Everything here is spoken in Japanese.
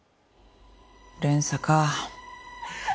連鎖か。